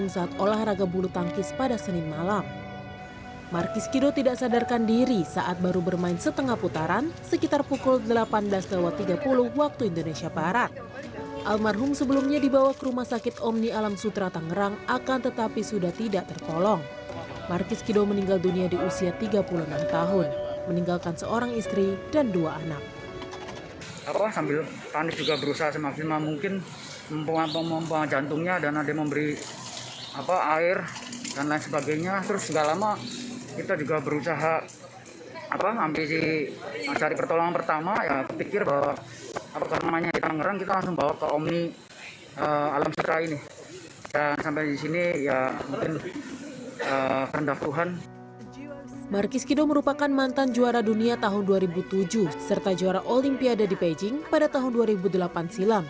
serta juara olimpiade di beijing pada tahun dua ribu delapan silam